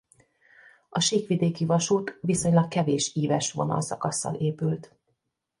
A síkvidéki vasút viszonylag kevés íves vonalszakasszal épült.